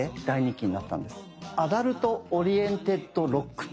アダルト・オリエンテッド・ロック。